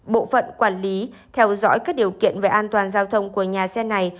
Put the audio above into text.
bộ phận quản lý theo dõi các điều kiện về an toàn giao thông của nhà xe này